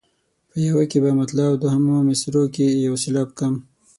په یوه کې په مطلع او دوهمو مصرعو کې یو سېلاب کم.